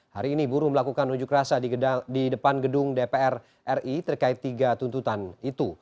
hari ini buruh melakukan unjuk rasa di depan gedung dpr ri terkait tiga tuntutan itu